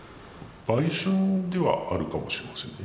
売春ではあるかもしれませんね